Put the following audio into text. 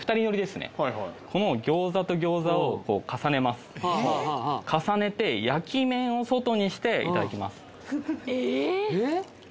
この餃子と餃子をこう重ねます重ねて焼き面を外にしていただきますあ